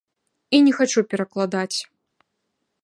І не хачу перакладаць.